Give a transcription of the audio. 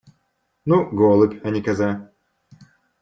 Ну, голубь, а не коза.